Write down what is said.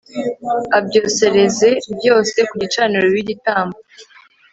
abyosereze byose ku gicaniro bibe igitambo